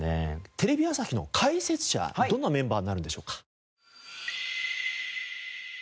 テレビ朝日の解説者どんなメンバーになるんでしょうか？